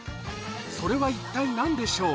それは一体何でしょう？